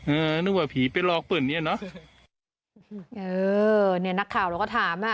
เออนึกว่าผีเป็นหลอกเปิ่นนี่เนอะเออเนี่ยนักข่าวเราก็ถามอ่ะ